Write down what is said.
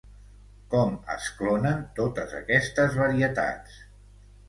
Com es clonen totes aquestes varietats?